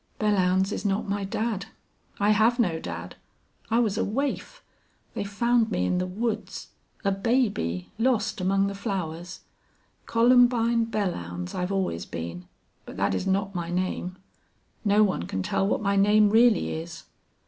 "Belllounds is not my dad. I have no dad. I was a waif. They found me in the woods a baby lost among the flowers. Columbine Belllounds I've always been. But that is not my name. No one can tell what my name really is."